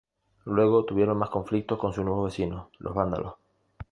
Luego tuvieron más conflictos con sus nuevos vecinos, los vándalos.